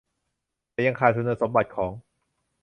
แต่ยังขาดคุณสมบัติของ